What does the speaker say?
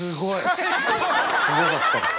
すごかったです。